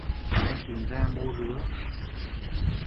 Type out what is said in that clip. Anh tìm ra mô rứa